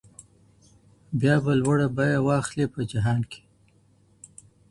بیا به لوړه بیه واخلي په جهان کي